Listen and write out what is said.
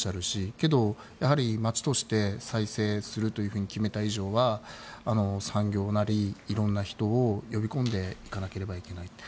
しかし、町として再生すると決めた以上は産業なりいろいろな人を呼び込んでいかなければいけない。